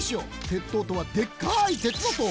鉄塔とはでっかい鉄の塔！